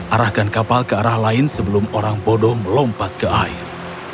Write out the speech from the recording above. arahkan kapal ke arah lain sebelum orang bodoh melompat ke air